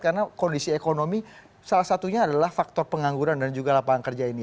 karena kondisi ekonomi salah satunya adalah faktor pengangguran dan juga lapangan kerja ini